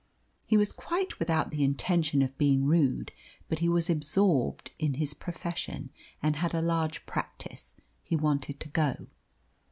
He was quite without the intention of being rude but he was absorbed in his profession, and had a large practice. He wanted to go.